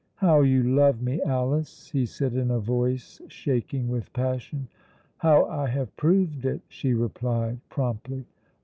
"How you love me, Alice!" he said in a voice shaking with passion. "How I have proved it!" she replied promptly.